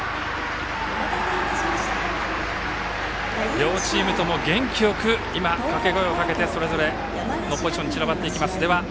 両チームとも、元気よく今、掛け声をかけてそれぞれのポジションに散らばっていきます。